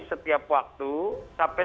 setiap waktu sampai